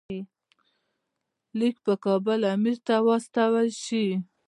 لیک په کابل امیر ته واستول شي.